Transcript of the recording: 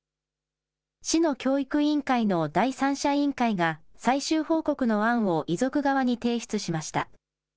市の教育委員会の第三者委員会が、最終報告の案を遺族側に提出しました。